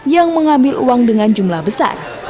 yang mengambil uang untuk mencari penyisiran